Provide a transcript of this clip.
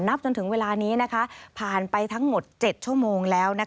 จนถึงเวลานี้ผ่านไปทั้งหมด๗ชั่วโมงแล้ว